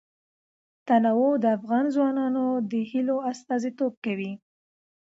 تنوع د افغان ځوانانو د هیلو استازیتوب کوي.